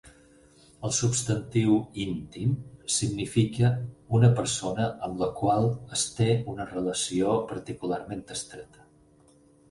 El substantiu "íntim" significa una persona amb la qual es té una relació particularment estreta.